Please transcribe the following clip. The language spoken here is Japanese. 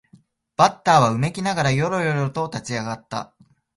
バッターはうめきながらよろよろと立ち上がった